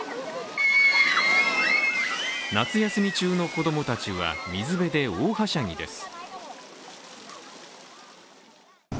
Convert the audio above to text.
夏休み中の子供たちは、水辺で大はしゃぎです。